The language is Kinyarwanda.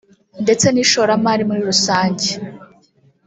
ndetse n’ishoramari muri rusange